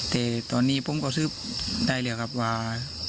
แต่ตอนนี้ผมก็สืบได้แล้วครับว่า